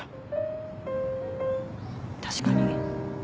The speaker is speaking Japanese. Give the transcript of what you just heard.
確かに。